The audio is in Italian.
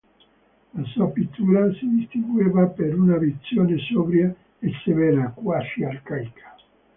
La sua pittura si distingueva per una visione sobria e severa, quasi arcaica.